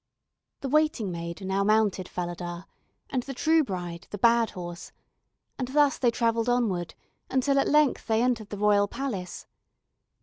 The waiting maid now mounted Falada, and the true bride the bad horse, and thus they traveled onward, until at length they entered the royal palace.